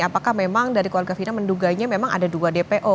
apakah memang dari keluarga fina menduganya memang ada dua dpo